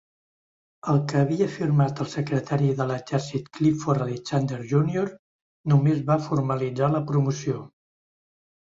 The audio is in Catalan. El que havia firmat el secretari de l'exèrcit Clifford Alexander Junior només va formalitzar la promoció.